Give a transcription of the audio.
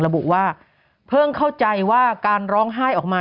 ระบุว่าเพิ่งเข้าใจว่าการร้องไห้ออกมา